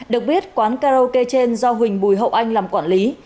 được biết quán karaoke trên do huỳnh bùi hậu anh làm quản lý